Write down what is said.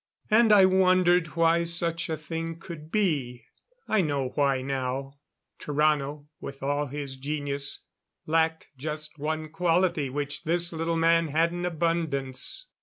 And I wondered why such a thing could be. I know why now. Tarrano, with all his genius, lacked just one quality which this little man had in abundance.